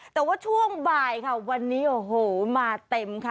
แต่ว่าช่วงบ่ายค่ะวันนี้โอ้โหมาเต็มค่ะ